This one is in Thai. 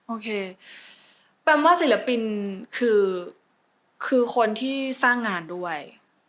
โอเคแปมว่าศิลปินคือคนที่สร้างงานด้วย